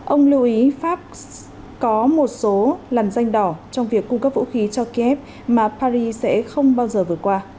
ông lưu ý pháp có một số làn danh đỏ trong việc cung cấp vũ khí cho kiev mà paris sẽ không bao giờ vượt qua